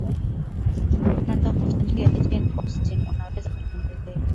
unatafuta njia ya Jane Austen unaweza kutembelea